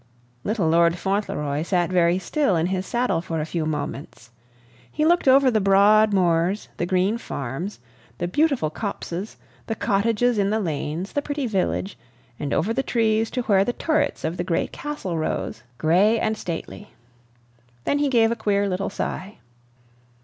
Little Lord Fauntleroy sat very still in his saddle for a few moments. He looked over the broad moors, the green farms, the beautiful copses, the cottages in the lanes, the pretty village, and over the trees to where the turrets of the great castle rose, gray and stately. Then he gave a queer little sigh.